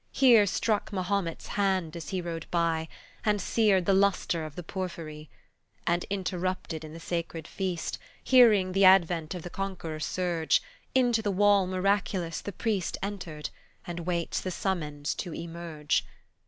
Here struck Mahomet's hand as he rode by, And seared the lustre of the porphyry, And, interrupted in the sacred feast, Hearing the advent of the conqueror surge, Into the wall miraculous the priest Entered, and waits the summons to emerge.